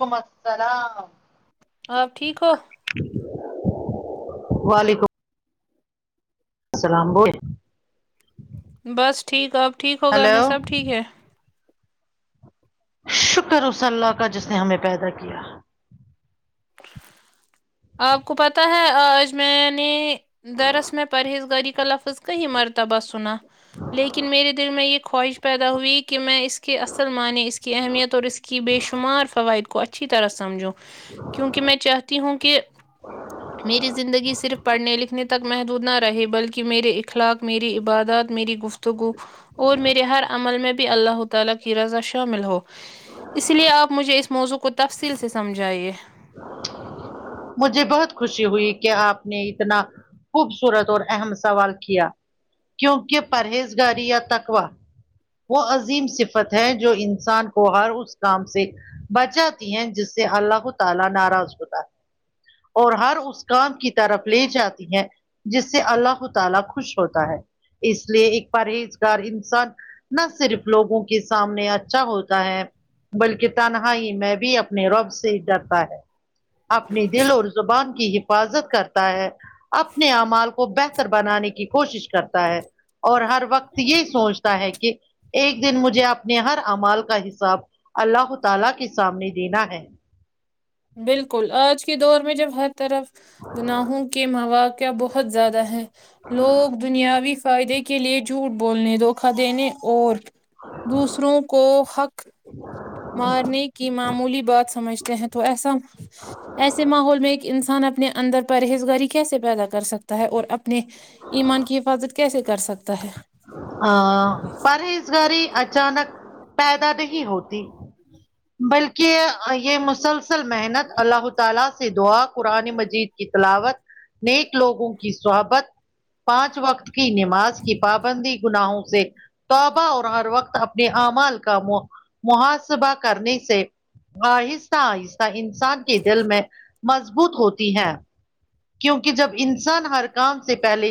وعلیکم السلام آپ ٹھیک ہو وعلیکم السلام بولیے بس ٹھیک آپ ٹھیک ہو گھر ہلو میں سب ٹھیک ہے شکر اس اللہ کا جس نے ہمیں پیدا کیا آپ کو پتہ ہے آج میں نے درس میں پرہیز گاری کا لفظ کئی مرتبہ سنا لیکن میرے دل میں یہ خواہش پیدا ہوئی کہ میں اس کے اصل معنی اس کی اہمیت اور اس کی بے شمار فوائد کو اچھی طرح سمجھوں کیونکہ میں چاہتی ہوں کہ میری زندگی صرف پڑھنے لکھنے تک محدود نہ رہے بلکہ میرے اخلاق میری عبادات میری گفتگو اور میرے ہر عمل میں بھی اللہ ھو تعالی کی رضا شامل ہو اس لیے آپ مجھے اس موضوع کو تفصیل سے سمجھائیے مجھے بہت خوشی ہوئی کہ آپ نے اتنا خوبصورت اور اہم سوال کیا کیونکہ پرہیزگاری یا تقوی وہ عظیم صفت ہے جو انسان کو ہر اس کام سے بچاتی ہیں جس سے اللہ ھو تعالی ناراض ہوتا ہے اور ہر اس کام کی طرف لے جاتی ہیں جس سے اللہ ھو تعالی خوش ہوتا ہے اس لیے ایک پرہیزگار انسان نہ صرف لوگوں کے سامنے اچھا ہوتا ہے بلکہ تنہاائی میں بھی اپنے رب سے ڈر تا ہے اپنی دل اور زبان کی حفاظت کرتا ہے اپنے اعمال کو بہتر بنانے کی کوشش کرتا ہے اور ہر وقت یہ سوچتا ہے کہ ایک دن مجھے اپنے ہر اعمال کا حساب اللہ تعالی کے سامنے دینا ہے بالکل آج کے دور میں جب ہر طرف گناہوں کے موا قع کیا بہت زیادہ ہے لوگ دنیاوی فائدے کے لیے جھوٹ بولنے دھوکا دینے اور دوسروں کو حق مارنے کی معمولی بات سمجھتے ہیں تو ایسا ایسے ماحول میں انسان اپنے اندر پرہیزگاری کیسے پیدا کر سکتا ہے اور اپنے ایمان کی حفاظت کیسے کر سکتا ہے ہاں پرہیز گاری اچانک پیدا نہیں ہوتی بلکہ یہ مسلسل محنت اللہ تعالی سے دعا قرآن مجید کی تلاوت نیک لوگوں کی صحبت پانچ وقت کی نماز کی پابندی گناہوں سے توبہ اور ہر وقت اپنے اعمال کا م محاسبہ کرنے سے آہستہ آہستہ انسان کے دل میں مضبوط ہوتی ہیں کیونکہ جب انسان ہر کام سے پہلے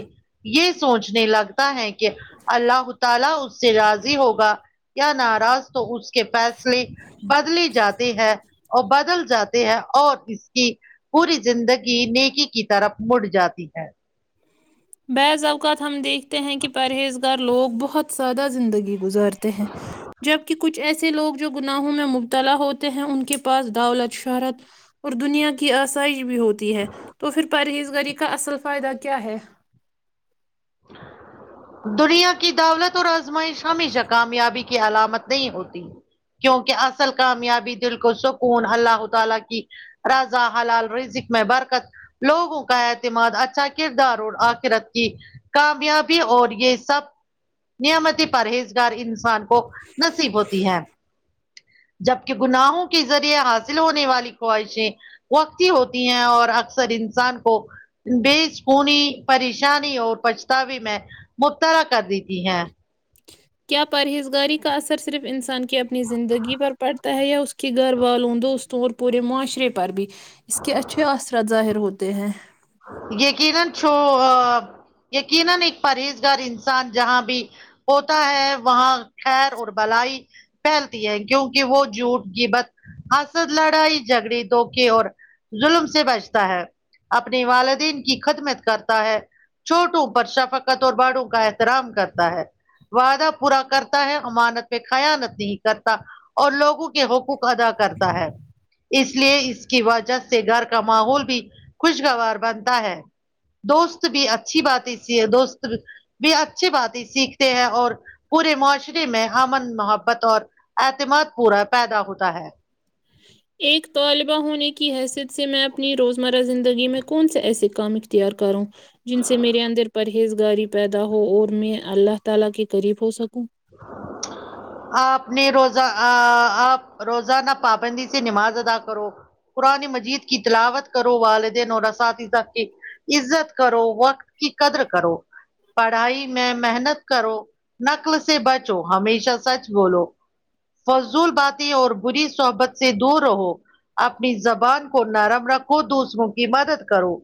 یہ سوچنے لگتا ہے کہ اللہ تعالی اس سے راضی ہوگا یا ناراض تو اس کے فیصلے بدلی جاتی ہے اور بدل جات تی ہے اور اس کی پوری زندگی نیکی کی طرف مڑ جاتی ہے بعض اوقات ہم دیکھتے ہیں کہ پرہیز گار لوگ بہت سادہ زندگی گزارتے ہیں جبکہ کچھ کچھ ایسے لوگ جو گناہوں میں مبتلا ہوتے ہیں ان کے پاس دولت شہرت اور دنیا کی آسائش بھی ہوتی ہے تو پھر پرہیزگاری کا اصل فائدہ کیا ہے دنیا کی دولت اور آزمائش ہمیشہ کامیابی کی علامت نہیں ہوتی کیونکہ اصل کامیابی دل کو سکون اللہ تعالی کی راضا حلال رزق میں برکت لوگوں کا اعتماد اچھا کردار اور آخرت کی کامیابی اور یہ سب نعمتی پرہیزگار انسان کو نصیب ہوتی ہے جبکہ گناہوں کے ذریعے حاصل ہونے والی خواہشیں وقتی ہوتی ہیں اور اکثر انسان کو بےسکونی پریشانی اور پچھتاوے میں مبتلا کر دیتی ہیں کیا پرہیزگاری کا اثر صرف انسان کی اپنی زندگی پر پڑتا ہے یا اس کہ گھر والوں دوستوں اور پورے معاشرے پر بھی اس کے اچھے اثرات ظاہر ہوتے ہیں یقینا چو یقینا ایک پرہیز گار انسان جہاں بھی ہوتا ہے وہاں خیر اور بھلائی پھیلتی ہے کیونکہ وہ جھوٹ غیبت حسد لڑائی جھگڑے دھوکے اور ظلم سے بچتا ہے اپنے والدین کی خدمت کرتا ہے چھوٹوں پر شفقت اور بڑوں کا احترام کرتا ہے وعدہ پورا کرتا ہے امانت میں خیانت نہیں کرتا اور لوگوں کے حقوق ادا کرتا ہے اس لیے اس کی وجہ سے گھر کا ماحول بھی خوشگوار بنتا ہے دوست بھی اچھی بات اسی ہے دوست بھی اچھی باتیں ہے سیکھتے ہیں اور پورے معاشرے میں ہمن محبت اور اعتماد پورا پیدا ہوتا ہے ایک طالبہ ہونے کی حیثیت سے میں اپنی روزمرہ زندگی میں کون سے ایسے کام کیا کروں جن سے میرے اندر پرہیزگاری پیدا ہو اور میں اللہ تعالی کے قریب ہو سکوں آپ نے روزہ آپ روزانہ پابندی سے نماز ادا کرو قرآن مجید کی تلاوت کرو والدین اور اساتذہ کی عزت کرو وقت کی قدر کرو پڑھائی میں محنت کرو نقل سے بچو ہمیشہ سچ بولو فضول باتیں اور بری صحبت سے دور رہو اپنی زبان کو نرم رکھو دوسروں کی مدد کرو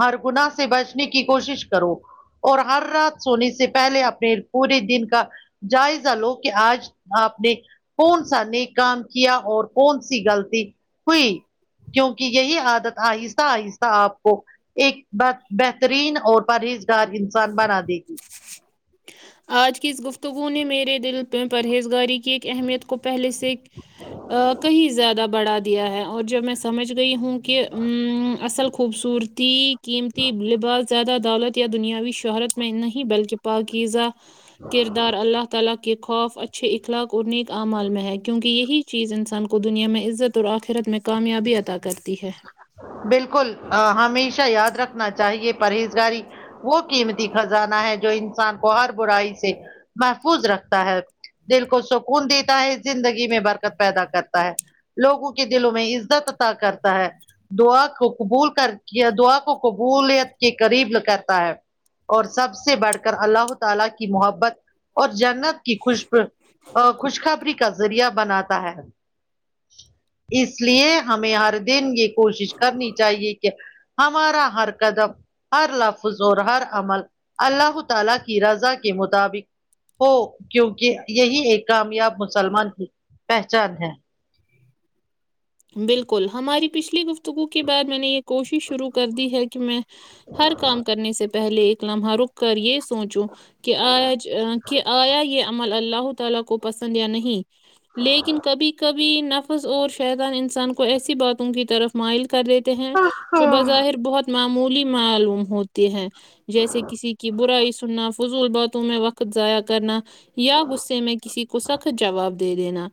ہر گناہ سے بچنے کی کوشش کرو اور ہر رات سونے سے پہلے اپنے پورے دن کا جائزہ لو کہ آج آپ نے کون سا نیک کام کیا اور کون سی غلطی ہوئی کیونکہ یہی عادت آہستہ آہستہ آپ کو ایک بات بہترین اور پرہیزگار انسان بنا دے گی آج کی اس گفتگو نے میرے دل پہ پرہیزگاری کی ایک اہمیت کو پہلے سے کہیں زیادہ بڑھا دیا ہے اور جب میں سمجھ گئی ہوں کہ اصل خوبصورتی قیمتی لباس زیادہ دولت یا دنیاوی شہرت میں نہیں بلکہ پاکیزہ کردار اللہ تعالی کے خوف اچھے اخلاق اور نیک اعمال میں ہے کیونکہ یہی چیز انسان کو دنیا میں عزت اور آخرت میں کامیابی عطا کرتی ہے بالکل ہمیشہ یاد رکھنا چاہیے پرہیزگاری وہ قیمتی خزانہ ہے جو انسان کو ہر برائی سے محفوظ رکھتا ہے دل کو سکون دیتا ہے زندگی میں برکت پیدا کرتا ہے لوگوں کے دلوں میں عزت عطا کر تا ہے دعا کو قبول کر کے دعا کو قبولیت کے قریب کہتا ہے اور سب سے بڑھ کر اللہ ہو تعالی کی محبت اور جنت کی خوشبو و خوشخبری کا ذریعہ بناتا ہے اس لیے ہمیں ہر دن یہ کوشش کرنی چاہیے کہ ہمارا ہر قدم ہر لفظ اور ہر عمل اللہ تعالی کی رضا کے مطابق ہو کیونکہ یہی ایک کامیاب مسلمان کی پہچان ہے بالکل ہماری پچھلی گفتگو کے بعد میں نے یہ کوشش شروع کر دی ہے کہ میں ہر کام کرنے سے پہلے ایک لمحہ رک کر یہ سوچوں کہ آج کہ آیا یہ عمل اللہ تعالی کو پسند یا نہیں لیکن کبھی کبھی نفس اور شیطان انسان کو ایسی باتوں کی طرف اس مائل کر لیتے ہیں جو بظاہر بہت معمولی معلوم ہوتی ہے جیسے کسی کی برائی سننا فضول باتوں میں وقت ضائع کرنا یا غصے میں کسی کو سخت جواب دے دینا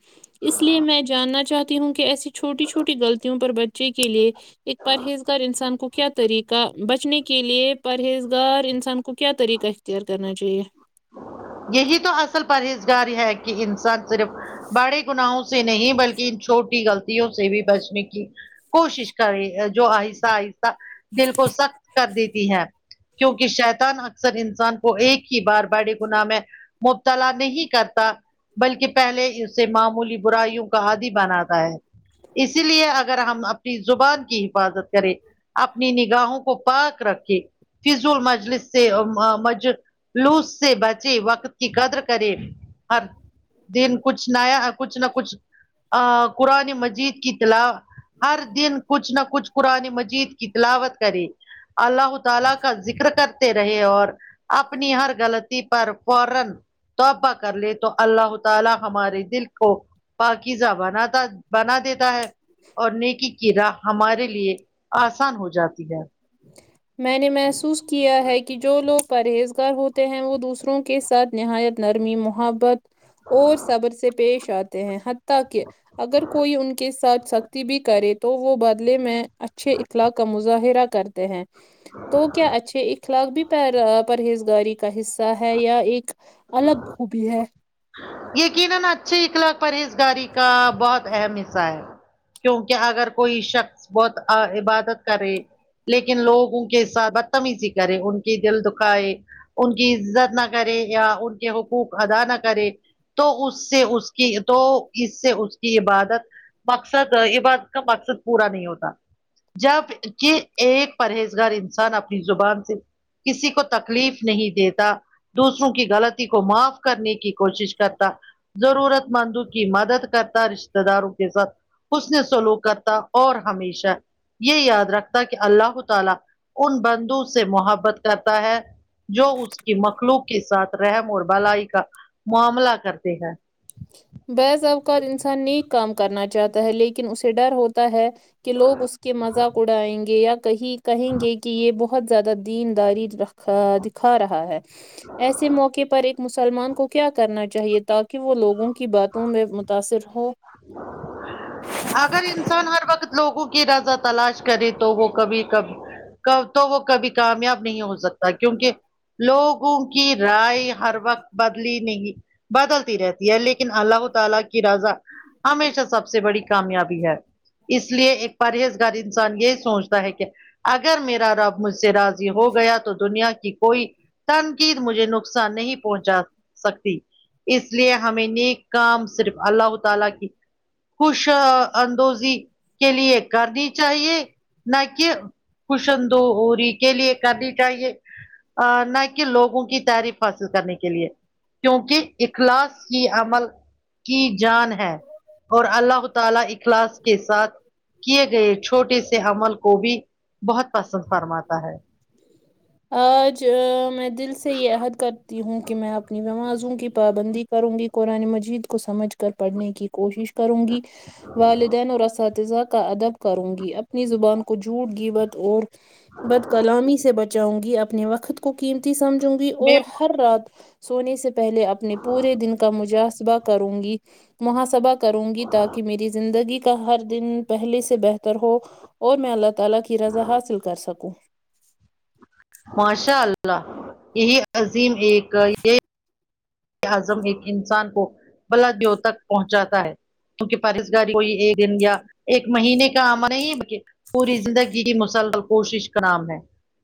اس لیے میں جاننا چاہتی ہوں کہ ایسی چھوٹی چھوٹی غلطیوں پر بچے کے لیے ایک پرہیزگار انسان کو کیا طریقہ بچنے کے کے لیے پرہیزگار انسان کو کیا طریقہ اختیار کرنا چاہیے یہی تو اصل پرہیزگار ہے کہ انسان صرف بڑے گناہوں سے نہیں بلکہ ان چھوٹی غلطیوں سے بھی بچنے کی کوشش کرے جو آہستہ آہستہ دل کو سخت کر دیتی ہے کیونکہ شیطان اکثر انسان کو ایک ہی بار بڑی گناہ میں مبتلا نہیں کرتا بلکہ پہلے اسے معمولی برائیوں کا آدی بناتا ہے اسی لیے اگر ہم اپنی زبان کی حفاظت کریں اپنی نگاہوں کو پاک رکھے فزول مجلس سے مج لوز سے بچے وقت کی قدر کرے ہر دن کچھ نیا کچھ نہ کچھ قرآن مجید کی تلاوت ہر دن کچھ نہ کچھ قرآن مجید کی تلاوت کرے اللہ تعالی کا ذکر کرتے رہے اور اپنی ہر غلط پر فورا توبہ کر لے تو اللہ تعالی ہمارے دل کو پاکیزہ بناتا بنا دیتا ہے اور نیکی کی راہ ہمارے لیے آسان ہو جاتی ہے میں نے محسوس کیا ہے کہ جو لوگ پرہیزگار ہوتے ہیں وہ دوسروں کے ساتھ نہایت نرمی محبت اور صبر سے پیش آتے ہیں حتی کہ اگر کوئی ان کے ساتھ س بھی کرے تو وہ بدلے میں اچھے اخلاق کا مظاہرہ کرتے ہیں تو کیا اچھے اخلاق بھی پرہیزگاری کا حصہ ہے یا ایک الگ خوبی ہے یقیناا اچھی اخلاق پرہیز گاری کا بہت اہم حصہ ہے کیونکہ اگر کوئی شخص بہت عبادت کرے لیکن لوگوں کے ساتھ بدتمیزی کرے ان کے دل دکھائے ان کی عزت نہ کرے یا ان کے حقوق ادا نہ کرے تو اس سے اس کی تو اس سے اس کی عبادت مقصد یہ بات کا مقصد پورا نہیں ہوتا جب کہ ایک پرہیزگار انسان اپنی زبان سے کسی کو تکلیف نہیں دیتا دوسروں کی غلطی کو معاف کرنے کی کوشش کرتا ضرورت مندوں کی مدد کرتا رشتے داروں کے ساتھ حوسن نے سلوک کرتا اور ہمیشہ یہ یاد رکھتا ہے کہ اللہ تعالی ان بندو سے محبت کرتا ہے جو اس کی مخلوق کے ساتھ رحم اور بھلائی کا معاملہ کرتے ہیں بعض اوقات انسان نیک کام کرنا چاہتا ہے لیکن اسے ڈر ہوتا ہے کہ لوگ اس کے مذاق اڑائیں گے یا کہیں کہیں گے کہ یہ بہت زیادہ دینداری رکھ دکھا رہا ہے ایسے موقع پر ایک مسلمان کو کیا کرنا چاہیے تاکہ وہ لوگ کی باتوں میں متاثر ہو اگر انسان ہر وقت لوگوں کی رضا تلاش کرے تو وہ کبھی کبھی تو وہ کبھی کامیاب نہیں ہو سکتا کیونکہ لوگوں کی رائے ہر وقت بدلی نہیں بدلتی رہتی ہے لیکن اللہ تعالی کی رضا ہمیشہ سب سے بڑی کامیابی ہے اس لیے ایک پرہیز گار انسان یہی سوچتا ہے کہ اگر میرا رب مجھ سے راضی ہو گیا تو دنیا کی کوئی تنقید مجھے نقصان نہیں پہنچا سکتی اس لیے ہمیں نیک کام صرف اللہ تعالی کی خوش اندوزی کے لیے کرنی چاہیے نہ کہ خوش اندو ہووری کے لیے کرنی چاہیے اا نہ کہ لوگوں کی تعریف حاصل کرنے کے لیے کیونکہ اخلاص کی عمل کی جان ہے اور اللہ تعالی اخلاص کے ساتھ کیے گئے چھوٹے سے عمل کو بھی بہت پسند فرماتا ہے آج میں دل سے یہ عہد کرتی ہوں کہ میں اپنی نمازوں کی پابندی کروں گی قرآن مجید کو سمجھ کر پڑھنے کی کوشش کروں گی والدین اور اساتذہ کا ادب کروں گی اپنی زبان کو جھوٹ غیبت اور بد کلامی سے بچاؤں گی اپنے وقت کو قیمتی سمجھوں گی میں اور ہر رات سونے سے پہلے اپنے پورے دن کا مجسبہ کروں گی محاسبہ کروں گی تاکہ میری زندگی کا ہر دن پہلے سے بہتر ہو اور میں اللہ تعالی کی رضا حاصل کر سکوں ماشاء اللہ یہی عظیم ایک یہ اعظم ایک انسان کو بلادیوں تک پہنچاتا ہے کیونکہ پرہیزگاری کوئی ایک دن یا ایک مہینے کا عمل نہیں پوری زندگی کی مسلل کوشش کا نام ہے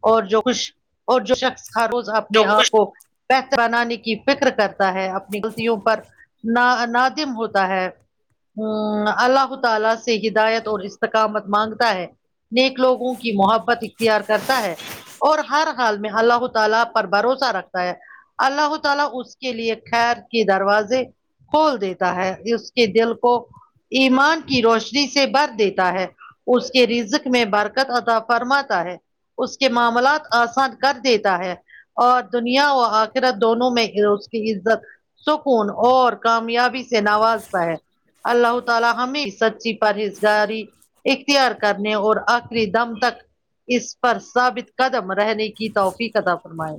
اور جو خوش اور جو شخص ہر روز جو اپنے کچھ آپ کو بہتر بنانے کی فکر کرتا ہے اپنی غلطیوں پر ن نادم ہوتا ہے ہمم اللہ تعالی سے ہدایت اور استقامت مانگتا ہے نیک لوگوں کی محبت اختیار کرتا ہے اور ہر حال میں اللہ تعالی پر بھروسہ رکھتا ہے اللہ تعالی اس کے لیے خیر کے دروازے کھول دیتا ہے اس کے دل کو ایمان کی روشنی سے بر دیتا ہے اس کے رزق میں برکت عطا فرماتا ہے اس کے معاملات آسان کر دیتا ہے اور دنیا و آخرت دونوں میں اس کی عزت سکون اور کامیابی سے نوازتا ہے اللہ تعالی ہمیں سچی پرہیز گاری اختیار کرنے اور دم تک اس پر ثابت قدم رہنے کی توفیق عطا فرمائے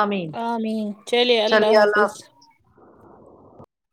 امین امین چلیے اللہ حافظ